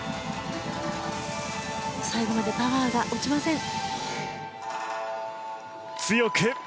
最後までパワーが落ちません。